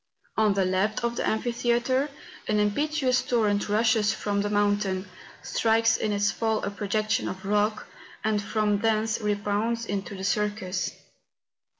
On the left of the amphi¬ theatre, an impetuous torrent rushes from the mountain, strikes in its fall a projection of rock, and from thence rebounds into the circus.